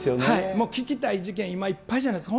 もう聞きたい事件、いっぱいじゃないですか。